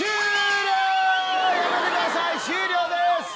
やめてください終了です。